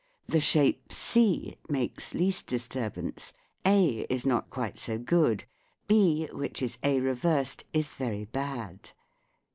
The shape C makes least disturbance ; A is not quite so good ; B, which is A reversed, is very bad.